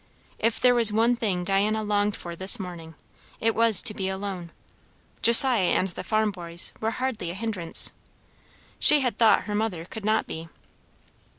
If there was one thing Diana longed for this morning, it was, to be alone. Josiah and the farm boys were hardly a hindrance. She had thought her mother could not be.